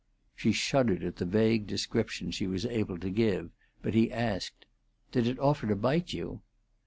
She shuddered at the vague description she was able to give; but he asked, "Did it offer to bite you?"